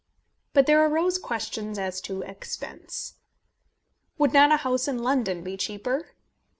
But there arose questions as to expense. Would not a house in London be cheaper?